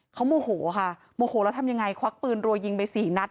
เขาโมโหค่ะโมโหแล้วทำยังไงควักปืนรัวยิงไปสี่นัด